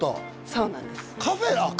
そうなんですあっ